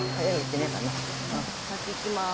先行きます。